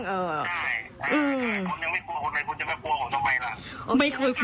คนยังไม่กลัวคนเลยคนจะไม่กลัวผมต้องไปล่ะ